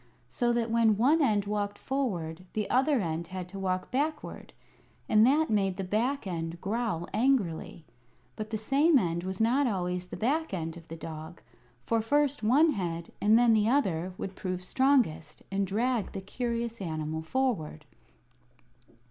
So that when one end walked forward the other end had to walk backward, and that made the back end growl angrily. But the same end was not always the back end of the dog; for first one head, and then the other, would prove strongest, and drag the curious animal forward.